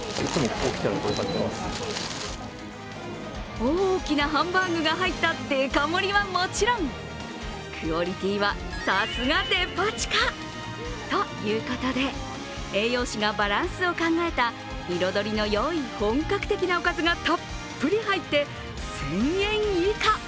大きなハンバーグが入ったデカ盛りはもちろんクオリティーはさすがデパ地下。ということで、栄養士がバランスを考えた彩りのよい本格的なおかずがたっぷり入って１０００円以下。